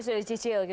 sudah dicicil gitu